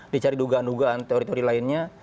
dicari dugaan dugaan teori teori lainnya